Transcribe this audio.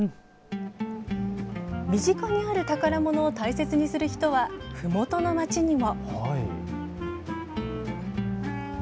身近にある宝物を大切にする人はふもとの町にも。